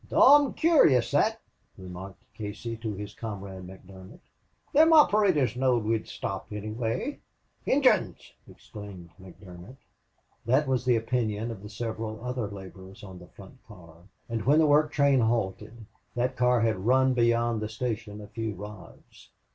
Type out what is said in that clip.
"Dom' coorious that," remarked Casey to his comrade McDermott. "Thim operators knowed we'd stop, anyway." That was the opinion of the several other laborers on the front car. And when the work train halted, that car had run beyond the station a few rods.